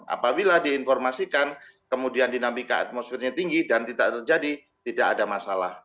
apabila diinformasikan kemudian dinamika atmosfernya tinggi dan tidak terjadi tidak ada masalah